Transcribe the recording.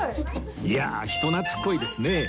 いや人懐っこいですね